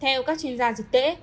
theo các chuyên gia dịch tễ